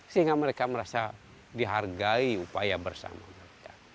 sehingga mereka merasa dihargai upaya bersama mereka